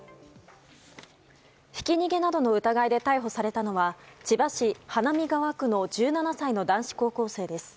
ひき逃げなどの疑いで逮捕されたのは千葉市花見川区の１７歳の男子高校生です。